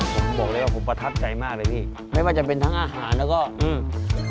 ผมบอกเลยว่าผมประทับใจมากเลยพี่ไม่ว่าจะเป็นทั้งอาหารแล้วก็อืม